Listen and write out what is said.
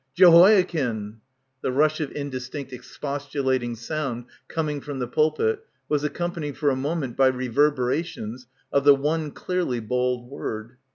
"Jehoiakin!" The rush of indistinct expos tulating sound coming from the pulpit was accom panied for a moment by reverberations of the one clearly bawled word.